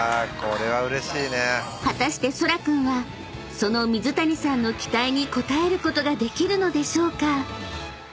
［果たしてそら君はその水谷さんの期待に応えることができるのでしょうか？］